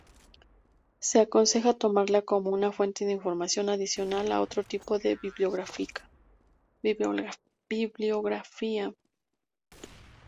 Se aconseja tomarla como una fuente de información adicional a otro tipo de bibliografía.